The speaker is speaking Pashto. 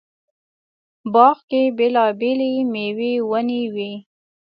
باغ کې بېلابېلې مېوې ونې وې.